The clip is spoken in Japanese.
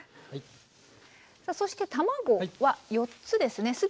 さあそして卵は４つですね。